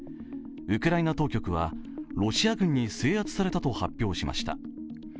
ウクライナ当局は、ロシア軍に制圧されたと発表しました。